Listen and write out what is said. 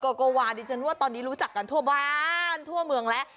กว่าวาดิฉันว่าตอนนี้รู้จักกันทั่วบ้านทั่วเมืองแล้ว